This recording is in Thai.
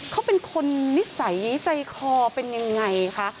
เขาเป็นคนนิสัยใจคอเป็นยังไงคะ